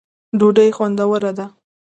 ډوډۍ خوندوره ده